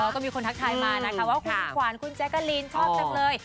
ก็มีคนทักทายมานะคะว่าคุณขวานคุณแจ๊กกะลีนชอบจังเลย